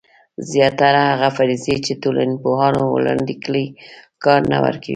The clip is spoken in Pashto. زیاتره هغه فرضیې چې ټولنپوهانو وړاندې کړي کار نه ورکوي.